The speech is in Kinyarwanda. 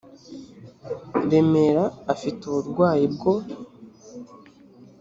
remera afite uburwayi bwo